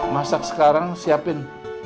masak sekarang siapin